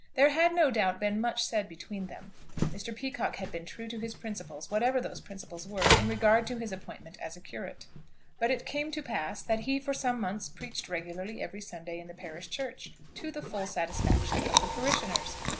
There had no doubt been much said between them. Mr. Peacocke had been true to his principles, whatever those principles were, in regard to his appointment as a curate, but it came to pass that he for some months preached regularly every Sunday in the parish church, to the full satisfaction of the parishioners.